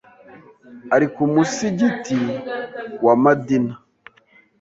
ari ku musigiti wa Madina